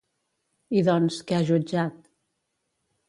I doncs, què ha jutjat?